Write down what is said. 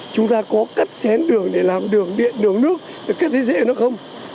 chúng ta có cắt xén đường để làm đường điện đường nước cắt thế dễ hơn không